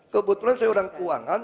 kebetulan saya orang keuangan